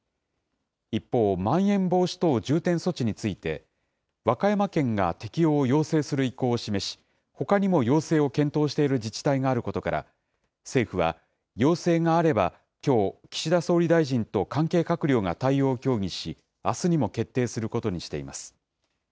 一方、まん延防止等重点措置について、和歌山県が適用を要請する意向を示し、ほかにも要請を検討している自治体があることから、政府は、要請があれば、きょう、岸田総理大臣と関係閣僚が対応を協議し、あすにも決定することにしています。